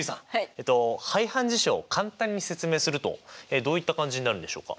えっと排反事象を簡単に説明するとどういった感じになるんでしょうか？